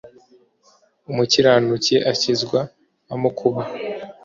umukiranutsi akizwa amakuba,